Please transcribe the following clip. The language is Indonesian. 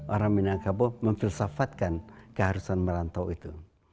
orang minang kabo memfilsafatkan keharusan merantau itu